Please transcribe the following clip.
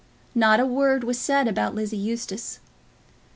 Not a word was said about Lizzie Eustace.